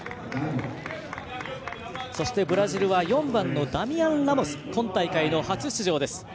そしてブラジルは４番のダミアン・ラモス今大会の初出場です。